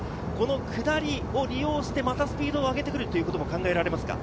下りを利用して、またスピードを上げてくることも考えられますか？